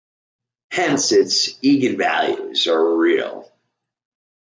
Hence, its eigenvalues are real.